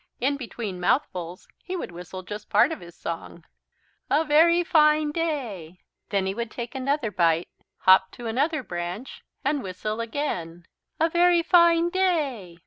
In between mouthfuls he would whistle just part of his song, "A ver y fine day!" Then he would take another bite, hop to another branch and whistle again: "A ver y fine day!"